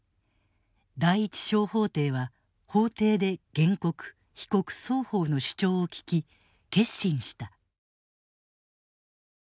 第一小法廷は法廷で原告・被告双方の主張を聞き結審した。